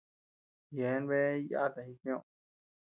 Yeabean bea yata jikioʼö.